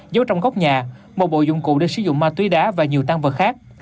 giấu trong góc nhà một bộ dụng cụ để sử dụng ma túy đá và nhiều tăng vật khác